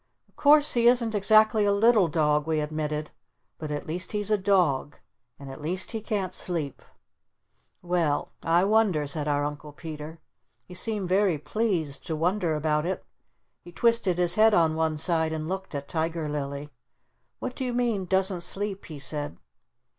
"Of course he isn't exactly a 'little dog,'" we admitted. "But at least he's a dog! And at least he 'can't sleep'!" "Well I wonder," said our Uncle Peter. He seemed very pleased to wonder about it. He twisted his head on one side and looked at Tiger Lily. "What do you mean, 'doesn't sleep'?" he said.